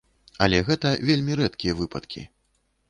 Але гэта вельмі рэдкія выпадкі.